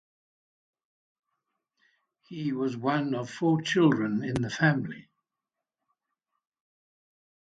He was one of four children in the family.